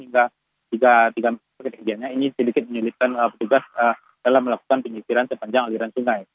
hingga tiga minggu ketinggiannya ini sedikit menyulitkan petugas dalam melakukan penyisiran sepanjang aliran sungai